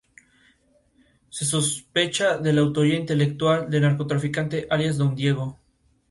Se sospecha la autoría intelectual del narcotraficante alias "Don Diego".